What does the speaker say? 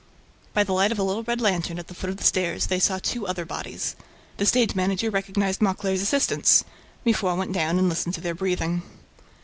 By the light of a little red lantern, at the foot of the stairs, they saw two other bodies. The stage manager recognized Mauclair's assistants. Mifroid went down and listened to their breathing.